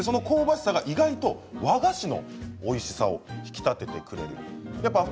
香ばしさが意外と和菓子のおいしさを引き立ててくれます。